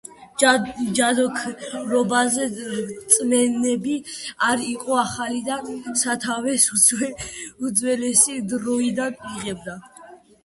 ჯადოქრობაზე რწმენები არ იყო ახალი და სათავეს უძველესი დროიდან იღებდა.